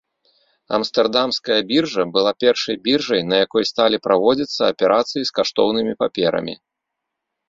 Амстэрдамская біржа была першай біржай, на якой сталі праводзіцца аперацыі з каштоўнымі паперамі.